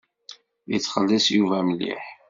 Yettxelliṣ Yuba mliḥ.